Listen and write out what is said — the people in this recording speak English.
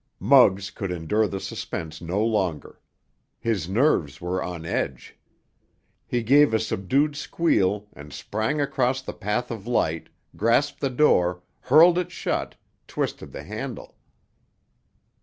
Muggs could endure the suspense no longer. His nerves were on edge. He gave a subdued squeal and sprang across the path of light, grasped the door, hurled it shut, twisted the handle.